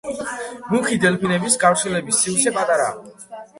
მუქი დელფინების გავრცელების სივრცე პატარაა.